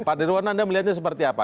pak dirwan anda melihatnya seperti apa